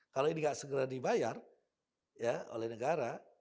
kalau ini tidak segera dibayar oleh negara